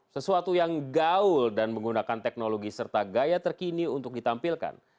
sesuatu yang gaul dan menggunakan teknologi serta gaya terkini untuk ditampilkan